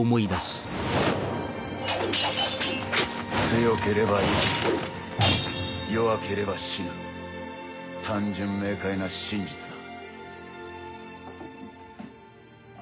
強ければ生き弱ければ死ぬ単純明快な真実だ